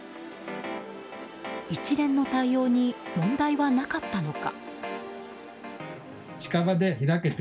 一連の対応に問題はなかったのか。